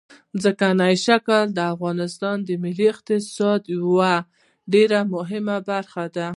ځمکنی شکل د افغانستان د ملي اقتصاد یوه ډېره مهمه برخه ده.